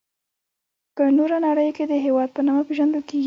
په نوره نړي کي د هیواد په نامه پيژندل کيږي.